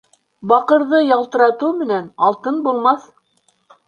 Баҡырҙы ялтыратыу менән алтын булмаҫ.